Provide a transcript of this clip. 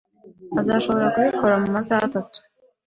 Azashobora kubikora mumasaha atatu.